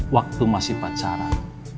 waktu masih pacaran